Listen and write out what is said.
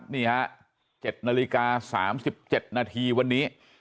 นี่ฮะ๗นาฬิกา๓๗นาทีวันนี้